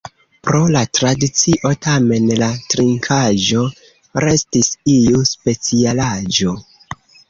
Pro la tradicio tamen la trinkaĵo restis iu specialaĵo.